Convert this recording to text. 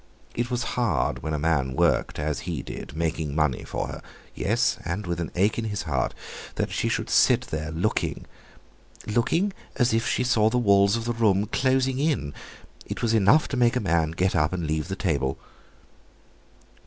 It was hard, when a man worked as he did, making money for her—yes, and with an ache in his heart—that she should sit there, looking—looking as if she saw the walls of the room closing in. It was enough to make a man get up and leave the table.